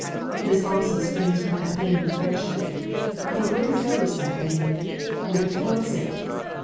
This also springs from that vein of friendship. But whither goes that vein ? whither flowsit?